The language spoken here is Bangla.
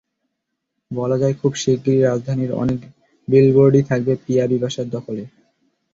বলা যায়, খুব শিগগিরই রাজধানীর অনেক বিলবোর্ডই থাকবে পিয়া বিপাশার দখলে।